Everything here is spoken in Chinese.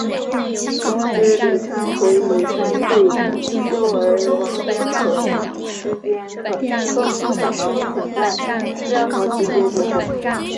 同时李昌奎与三岁幼儿王家红之间更不可能存在任何直接纠纷。